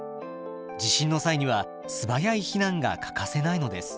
地震の際には素早い避難が欠かせないのです。